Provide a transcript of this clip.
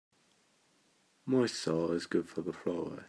Moist soil is good for the flora.